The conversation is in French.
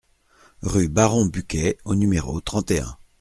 Rue Baron Buquet au numéro trente et un